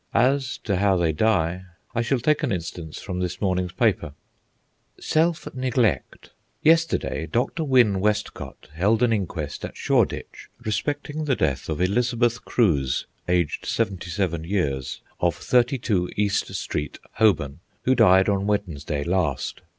As to how they die, I shall take an instance from this morning's paper. SELF NEGLECT Yesterday Dr. Wynn Westcott held an inquest at Shoreditch, respecting the death of Elizabeth Crews, aged 77 years, of 32 East Street, Holborn, who died on Wednesday last.